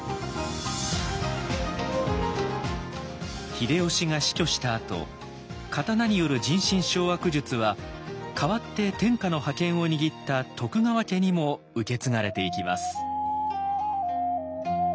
秀吉が死去したあと刀による人心掌握術は代わって天下の覇権を握った徳川家にも受け継がれていきます。